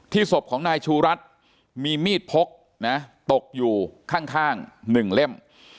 ศพของนายชูรัฐมีมีดพกนะตกอยู่ข้าง๑เล่ม